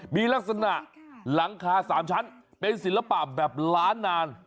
มีลักษณะหลังคา๓ชั้นเป็นศิลปะแบบล้านนาน